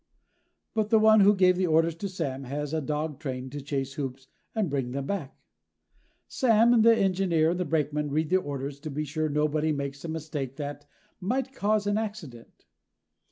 But the one who gave the orders to Sam has a dog trained to chase hoops and bring them back! Sam and the engineer and the brakeman read the orders to be sure nobody makes a mistake that might cause an accident.